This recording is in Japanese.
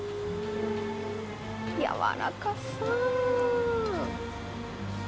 やわらかそう！